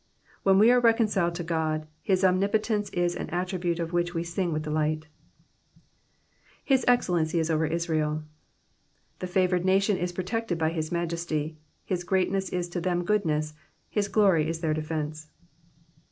When we are reconciled to God, his omnipotence is an attribute of which we sing with delight, ^^ffis excellency is over Israel.^^ The favoured nation is protracted by his majesty ; his greatness is to them goodness, his glory is their defence.